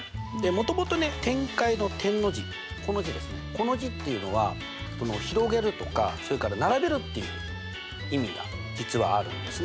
この字っていうのは広げるとか並べるっていう意味が実はあるんですね。